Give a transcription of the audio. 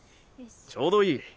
ちょうどいい。